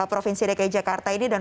provinsi dki jakarta ini dan